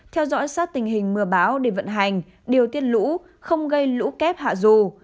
theo dõi sát tình hình mưa bão để vận hành điều tiết lũ không gây lũ kép hạ dù